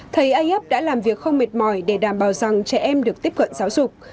thầy ayyub đã làm việc không mệt mỏi để đảm bảo rằng trẻ em được tiếp cận giáo dục